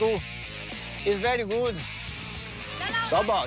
หยุดกินหยุดกิน